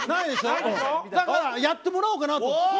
だからやってもらおうかなと。